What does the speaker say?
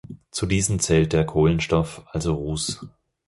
Zu diesen zählt der Kohlenstoff, also Ruß.